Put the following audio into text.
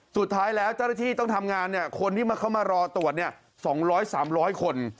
สุดท้ายแล้วเจ้าหน้าที่ต้องทำงานคนที่เข้ามารอตรวจ๒๐๐๓๐๐คน